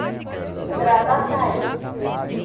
Gravataí